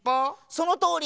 そのとおり！